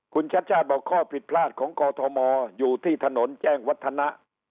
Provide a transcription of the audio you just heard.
คุณชัชชาติบอกข้อผิดพลาดของกอทมอยู่ที่ถนนแจ้งวัฒนะ